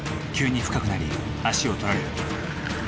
急に深くなり足を取られる。